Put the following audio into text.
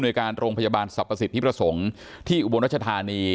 โดยการโรงพยาบาลสรรพสิทธิประสงค์ที่อุบลรัชธานี